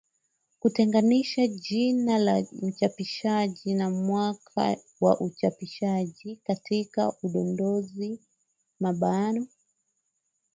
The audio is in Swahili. Kutenganisha jina la mchapishaji na mwaka wa uchapishaji katika udondozi mabano